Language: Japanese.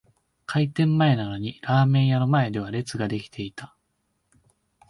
開店前なのにラーメン屋の前では列が出来ていた